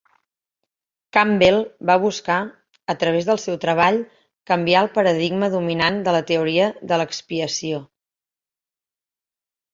Campbell va buscar, a través del seu treball, canviar el paradigma dominant de la teoria de l'expiació.